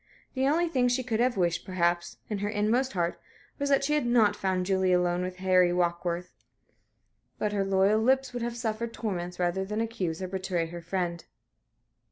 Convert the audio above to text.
The only thing she could have wished, perhaps, in her inmost heart, was that she had not found Julie alone with Harry Warkworth. But her loyal lips would have suffered torments rather than accuse or betray her friend.